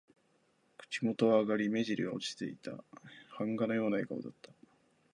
口元は上がり、目じりは落ちていた。版画のような笑顔だった。